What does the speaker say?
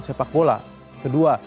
sepak bola kedua